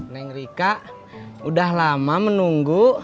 neng rika udah lama menunggu